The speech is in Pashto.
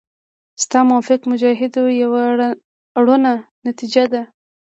ستا موقف د مجاهدو یوه رڼه نتیجه ده.